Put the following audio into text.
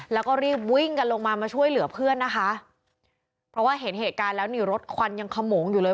แล้วก็รีบวิ่งกันลงมามาช่วยเหลือเพื่อนนะคะเพราะว่าเห็นเหตุการณ์แล้วนี่รถควันยังขโมงอยู่เลย